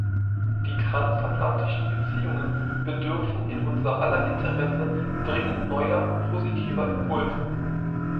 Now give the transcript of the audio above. Die transatlantischen Beziehungen bedürfen in unser aller Interesse dringend neuer positiver Impulse.